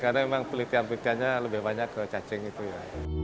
jadi memang penelitian penelitiannya lebih banyak ke cacing itu ya